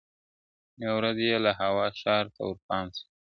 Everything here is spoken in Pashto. یوه ورځ یې له هوا ښار ته ورپام سو ..